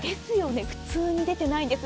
普通に出てないんです。